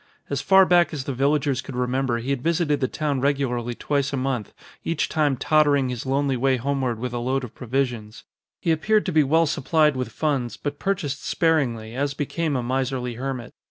As far back as the villagers could remember he had visited the town regularly twice a month, each time tottering his lonely way homeward with a load of provisions. He appeared to be well supplied with funds, but purchased sparingly as became a miserly hermit.